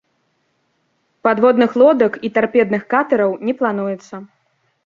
Падводных лодак і тарпедных катэраў не плануецца.